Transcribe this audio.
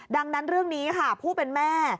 ดังนั้นเรื่องนี้ค่ะผู้เป็นแม่